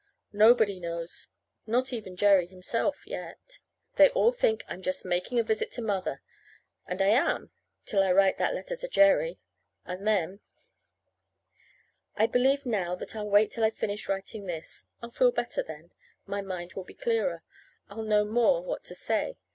Nobody knows not even Jerry himself yet. They all think I'm just making a visit to Mother and I am till I write that letter to Jerry. And then I believe now that I'll wait till I've finished writing this. I'll feel better then. My mind will be clearer. I'll know more what to say.